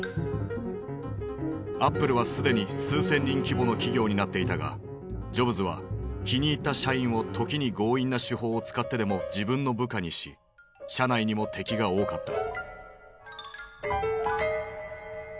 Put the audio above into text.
アップルはすでに数千人規模の企業になっていたがジョブズは気に入った社員を時に強引な手法を使ってでも自分の部下にし社内にも敵が多かった。